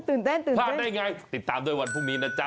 ตื่นพลาดได้ไงติดตามด้วยวันพรุ่งนี้นะจ๊